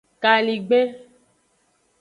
Kaligben.